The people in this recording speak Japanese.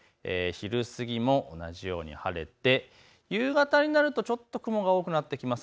昼過ぎも同じように晴れて、夕方になるとちょっと雲が多くなってきます。